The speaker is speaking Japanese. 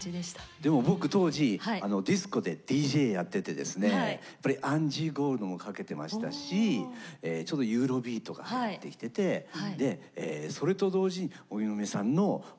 でも僕当時ディスコでＤＪやっててですねやっぱりアンジー・ゴールドもかけてましたしちょっとユーロビートが入ってきててでそれと同時に荻野目さんの曲もかけてたんですけども。